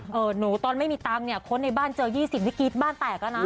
หนูตอนไม่มีตังค์เนี่ยคนในบ้านเจอ๒๐วิกฤตบ้านแตกแล้วนะ